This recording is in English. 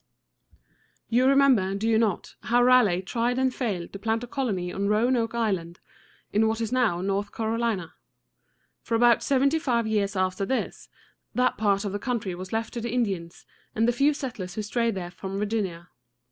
You remember, do you not, how Raleigh tried and failed to plant a colony on Roanoke Island, in what is now North Carolina? For about seventy five years after this, that part of the country was left to the Indians and the few settlers who strayed there from Virginia.